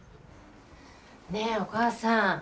ねえお母さん。